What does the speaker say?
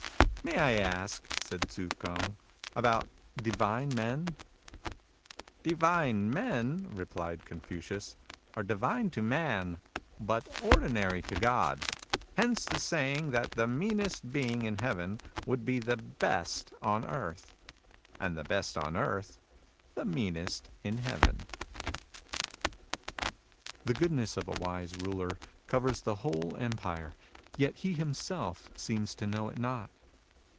«•••." May I ask," said Tzu Kung, " about divine men ?"*' Divine men," replied Confucius, " are divine to man, but ordinary to God. Hence the saying that the meanest being in heaven would be the best on earth ; and the best on earth, the meanest in heaven." The goodness of a wise ruler covers the whole empire, yet he himself seems to know it not.